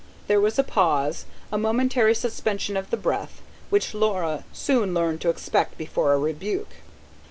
There was a pause, a momentary suspension of the breath, which Laura soon learned to expect before a rebuke.